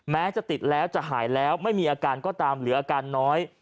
แม้จะติดแล้วจะหายแล้วไม่มีอาการก็ตามหรืออาการน้อย